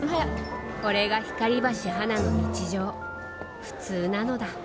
これが光橋花の日常普通なのだ。